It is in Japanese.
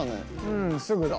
うんすぐだ。